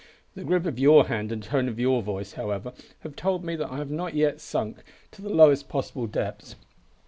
The grip of your hand and tone of your voice, however, have told me that I have not yet sunk to the lowest possible depths.